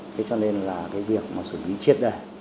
thế cho nên là cái việc xử lý chiết đời